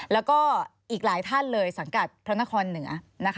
แล้วก็อีกหลายท่านเลยสังกัดพระนครเหนือ